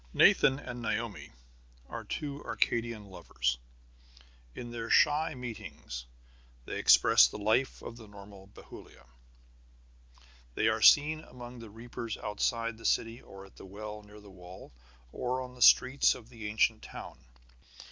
Nathan and Naomi are two Arcadian lovers. In their shy meetings they express the life of the normal Bethulia. They are seen among the reapers outside the city or at the well near the wall, or on the streets of the ancient town.